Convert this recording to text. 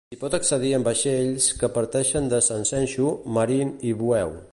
S'hi pot accedir en vaixells que parteixen de Sanxenxo, Marín i Bueu.